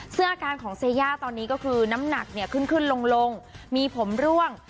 ซึ่งอาการของเซย่าตอนนี้ก็คือน้ำหนักเนี่ยขึ้นขึ้นลงมีผมร่วง